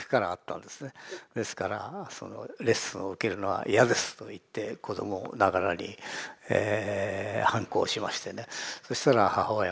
ですからレッスンを受けるのは嫌ですと言って子供ながらに反抗しましてねそしたら母親も諦めて。